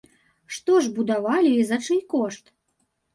Што ж будавалі і за чый кошт?